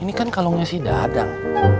ini kan kalungnya si dadang